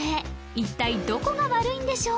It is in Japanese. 一体どこが悪いんでしょう？